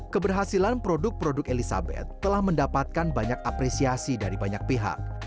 keberhasilan produk produk elizabeth telah mendapatkan banyak apresiasi dari banyak pihak